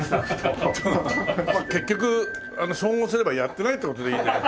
まあ結局総合すればやってないって事でいいんだね？